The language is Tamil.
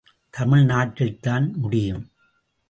தமிழ்நாட்டில் தான் முடியும்!